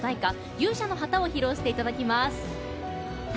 「勇者の旗」を披露していただきます。